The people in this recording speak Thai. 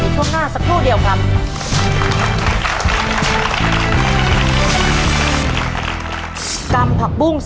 ช่วงหน้าสักครู่เดียวครับ